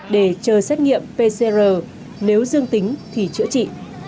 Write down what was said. để chờ xét nghiệm pcr nếu dương tính thì chữa trị